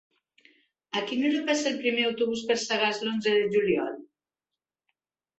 A quina hora passa el primer autobús per Sagàs l'onze de juliol?